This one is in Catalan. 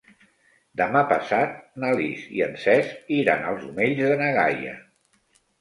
Demà passat na Lis i en Cesc iran als Omells de na Gaia.